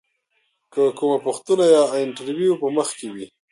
که کومه پوښتنه یا انتریو په مخ کې وي.